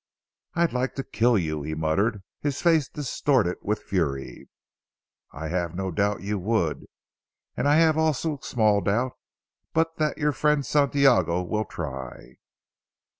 "I'd like to kill you," he muttered, his face distorted with fury. "I have no doubt you would, and I have also small doubt but that your friend Santiago will try."